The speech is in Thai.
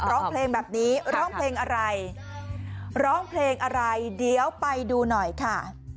ร้องเพลงแบบนี้ร้องเพลงอะไรเดี๋ยวไปดูหน่อยค่ะ